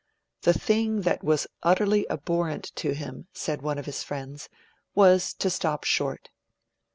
'The thing that was utterly abhorrent to him,' said one of his friends, 'was to stop short.'